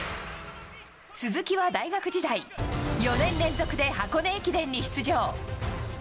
鈴木は大学時代４年連続で箱根駅伝に出場。